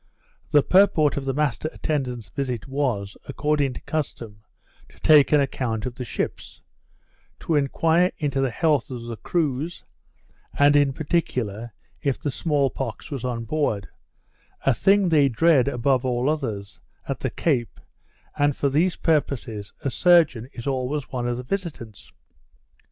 The purport of the master attendant's visit was, according to custom, to take an account of the ships; to enquire into the health of the crews; and, in particular, if the small pox was on board; a thing they dread, above all others, at the Cape, and for these purposes a surgeon is always one of the visitants.